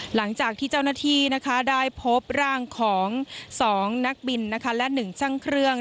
หลังจากที่เจ้าหน้าที่ได้พบร่างของ๒นักบินและ๑ช่างเครื่อง